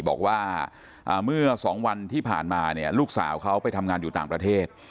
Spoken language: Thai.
บอกว่าเมื่อ๒วันที่ผ่านมาเนี่ยลูกสาวเขาไปทำงานอยู่ต่างประเทศ